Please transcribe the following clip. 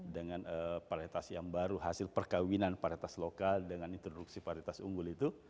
dengan varietas yang baru hasil perkawinan varietas lokal dengan introduksi varitas unggul itu